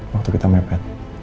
waktu kita mepet